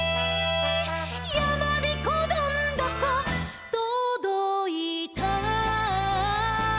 「やまびこどんどことどいた」